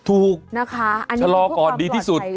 ถูกชะลอก่อนดีที่สุด